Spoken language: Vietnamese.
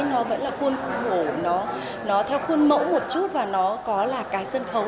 nó vẫn là khuôn khổ nó theo khuôn mẫu một chút và nó có là cái sân khấu